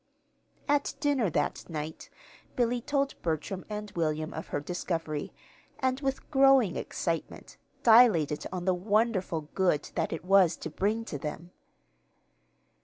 At dinner that night Billy told Bertram and William of her discovery, and, with growing excitement, dilated on the wonderful good that it was to bring to them.